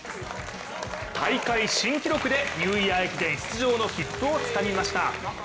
大会新記録でニューイヤー駅伝出場の切符をつかみました。